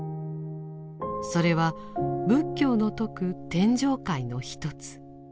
それは仏教の説く天上界の一つ。